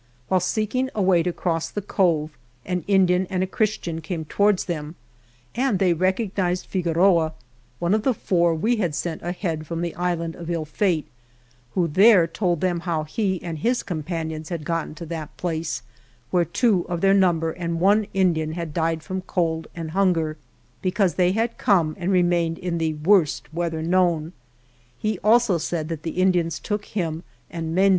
While seeking a way to cross the cove an Indian and a Christian came towards them, and they recognized Figueroa, one of the four we had sent ahead from the Island of Ill Fate, who there told them how he and his companions had got ten to that place, where two of their num ber and one Indian had died from cold and hunger, because they had come and re mained in the worst weather known. He also said the Indians took him and Mendez.